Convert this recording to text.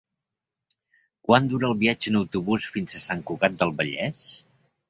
Quant dura el viatge en autobús fins a Sant Cugat del Vallès?